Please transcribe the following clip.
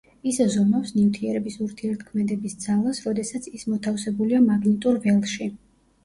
ის ზომავს ნივთიერების ურთიერთქმედების ძალას როდესაც ის მოთავსებულია მაგნიტურ ველში.